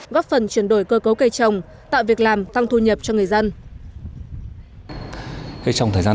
góp phần chuyển đổi cơ cấu cây trồng tạo việc làm tăng thu nhập cho người dân